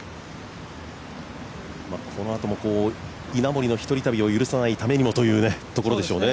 このあとも稲森の１人旅を許さないためにもというところでしょうね。